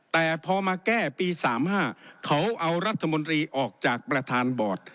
แต่พอมาแก้ปี๓๕เขาเอารัฐมนตรีออกจากประธานบอร์ด